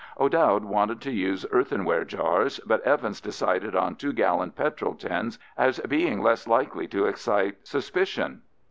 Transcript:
O'Dowd wanted to use earthenware jars, but Evans decided on two gallon petrol tins as being less likely to excite suspicion.